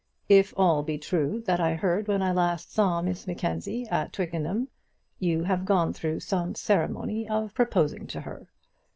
If all be true that I heard when I last saw Miss Mackenzie at Twickenham, you have gone through some ceremony of proposing to her.